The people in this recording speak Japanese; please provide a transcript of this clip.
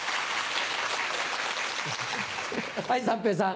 はい三平さん。